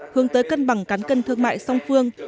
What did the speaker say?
hướng tới cân bằng cán cân thương mại song phương